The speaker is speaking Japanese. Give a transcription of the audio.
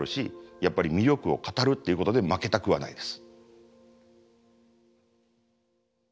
やっぱり魅力を語るっていうことで負けたくはないです。